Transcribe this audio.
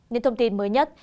nên thông tin mới nhất